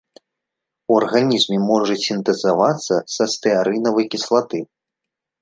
У арганізме можа сінтэзавацца са стэарынавай кіслаты.